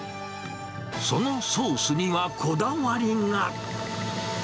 そのソースにはこだわりが。